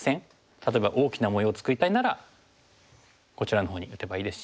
例えば大きな模様を作りたいならこちらのほうに打てばいいですし。